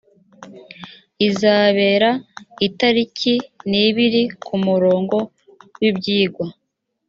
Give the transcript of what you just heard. izabera itariki n ibiri ku murongo w ibyigwa